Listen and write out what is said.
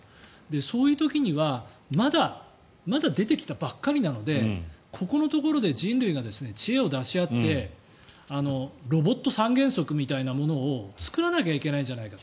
そういう時にはまだ出てきたばかりなのでここのところで人類が知恵を出し合ってロボット三原則みたいなものを作らなきゃいけないんじゃないかと。